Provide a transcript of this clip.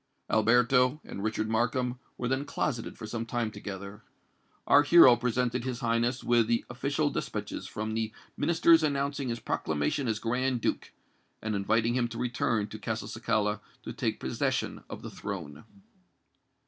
Alberto and Richard Markham were then closeted for some time together. Our hero presented his Highness with the official despatches from the Ministers announcing his proclamation as Grand Duke, and inviting him to return to Castelcicala to take possession of the throne.